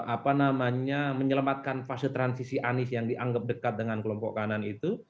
apa namanya menyelamatkan fase transisi anies yang dianggap dekat dengan kelompok kanan itu